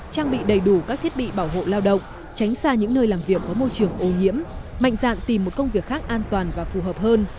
trang bị đầy đủ các thiết bị bảo hộ lao động tránh xa những nơi làm việc có môi trường ô nhiễm mạnh dạn tìm một công việc khác an toàn và phù hợp hơn